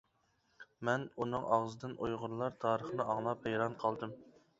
مەن ئۇنىڭ ئاغزىدىن ئۇيغۇرلار تارىخنى ئاڭلاپ ھەيران قالدىم.